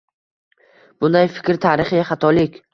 bunday fikr tarixiy xatolik.